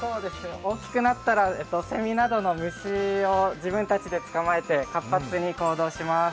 大きくなったら、セミなどの虫を自分たちで捕まえて活発に行動します。